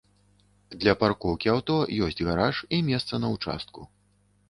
Для паркоўкі аўто ёсць гараж і месца на ўчастку.